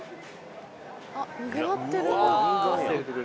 あっにぎわってる！